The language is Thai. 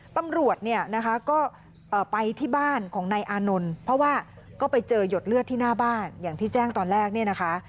ตำรวจก็ไปที่บ้านของนายอานนลเพราะว่าก็ไปเจอหยดเลือดที่หน้าบ้านอย่างที่แจ้งตอนแรก